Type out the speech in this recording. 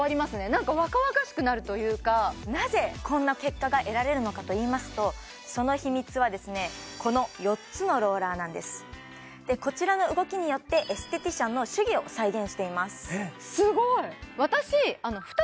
何か若々しくなるというかなぜこんな結果が得られるのかといいますとその秘密はこのこちらの動きによってエステティシャンの手技を再現していますすごい！